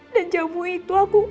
dan jauh itu